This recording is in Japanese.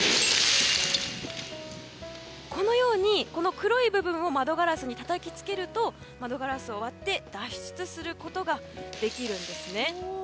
このように黒い部分を窓ガラスにたたきつけると窓ガラスを割って脱出することができるんです。